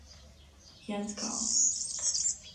Heinz Co.